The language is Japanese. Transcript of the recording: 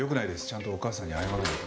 ちゃんとお母さんに謝らないと。